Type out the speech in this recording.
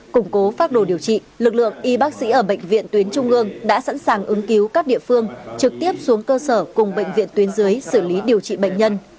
củng cố phát đồ điều trị lực lượng y bác sĩ ở bệnh viện tuyến trung ương đã sẵn sàng ứng cứu các địa phương trực tiếp xuống cơ sở cùng bệnh viện tuyến dưới xử lý điều trị bệnh nhân